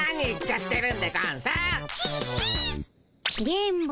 電ボ